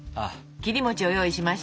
切り餅を用意しました。